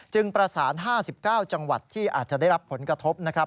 ประสาน๕๙จังหวัดที่อาจจะได้รับผลกระทบนะครับ